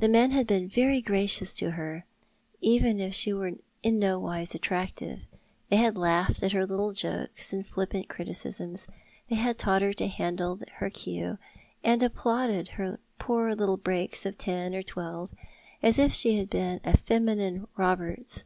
The men had been very gracious to her, even if she were in no wise attractive. They had laughed at her little jokes and flippant criticisms. They had taught her to handle her cue, and applauded her poor little breaks of ten or twelve, as if she had been a feminine Roberts.